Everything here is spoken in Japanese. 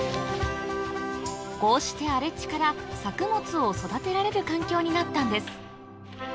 こうして荒れ地から作物を育てられる環境になったんです